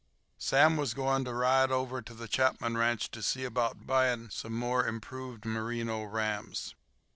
Sam was going to ride over to the Chapman ranch to see about buying some more improved merino rams.